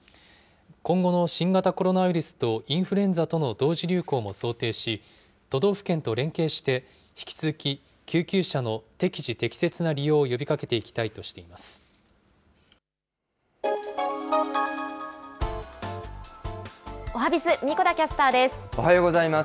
今後の新型コロナウイルスとインフルエンザとの同時流行も想定し、都道府県と連携して、引き続き救急車の適時適切な利用を呼びかけていきたいとしています。